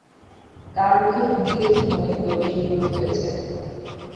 তাঁর মুখের ভঙ্গি দেখে মনে হল বেশ বিরক্ত হয়েছেন।